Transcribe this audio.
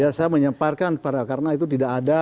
ya saya menyemparkan karena itu tidak ada